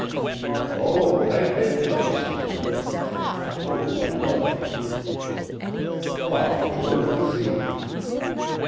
"Oh but I did tell you something. I told you I love you." "Why, George Basine!"